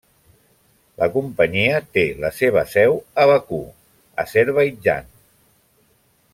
La companyia té la seva seu a Bakú, Azerbaidjan.